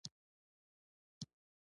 مخکې له دې چې لارډ لیټن هند ته حرکت وکړي.